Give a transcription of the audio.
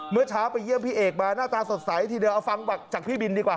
เมื่อเช้าไปเยี่ยมพี่เอกมาหน้าตาสดใสทีเดียวเอาฟังจากพี่บินดีกว่า